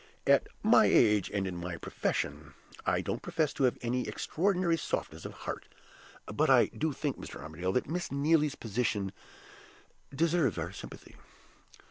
At my age and in my profession, I don't profess to have any extraordinary softness of heart. But I do think, Mr. Armadale, that Miss Neelie's position deserves our sympathy."